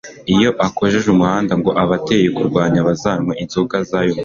iyo akojejemo umuhunda, ngo aba ateye kurwana abazanywa inzoga z’ayo mamera